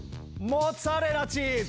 モッツァレラチーズ！